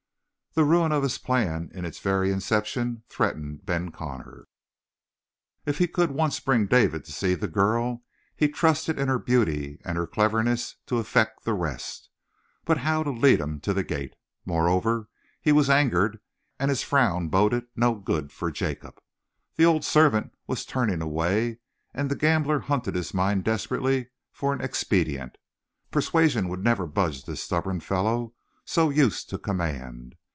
The ruin of his plan in its very inception threatened Ben Connor. If he could once bring David to see the girl he trusted in her beauty and her cleverness to effect the rest. But how lead him to the gate? Moreover, he was angered and his frown boded no good for Jacob. The old servant was turning away, and the gambler hunted his mind desperately for an expedient. Persuasion would never budge this stubborn fellow so used to command.